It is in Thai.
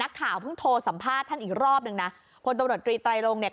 ข่าวเพิ่งโทรสัมภาษณ์ท่านอีกรอบหนึ่งนะพลตำรวจตรีไตรรงเนี่ย